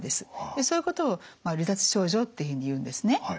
そういうことを離脱症状っていうふうにいうんですね。